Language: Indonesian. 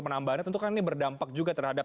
penambahannya tentu kan ini berdampak juga terhadap